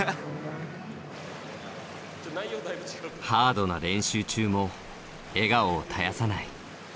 ハードな練習中も笑顔を絶やさない。